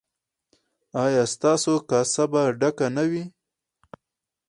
ایا ستاسو کاسه به ډکه نه وي؟